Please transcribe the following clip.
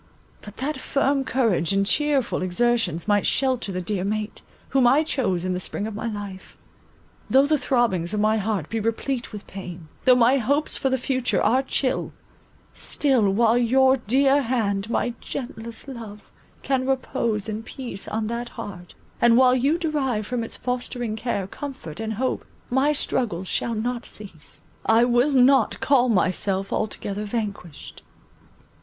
But that my firm courage and cheerful exertions might shelter the dear mate, whom I chose in the spring of my life; though the throbbings of my heart be replete with pain, though my hopes for the future are chill, still while your dear head, my gentlest love, can repose in peace on that heart, and while you derive from its fostering care, comfort, and hope, my struggles shall not cease,—I will not call myself altogether vanquished.